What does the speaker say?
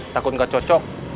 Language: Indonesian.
takut gak cocok